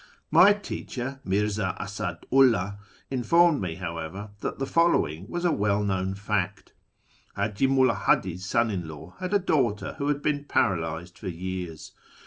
My teacher, Mirza Asadu 'llali, informed me, however, that the following was a well known fact. Haji Mulla Hadi's son in law had a daughter who had been para lysed for years.